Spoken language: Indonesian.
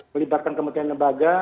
melibatkan kementerian lembaga